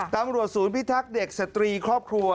ตำรวจศูนย์พิทักษ์เด็กสตรีครอบครัว